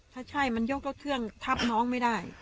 ถ้าใช่มันยกรถเครื่องทับน้องไม่ได้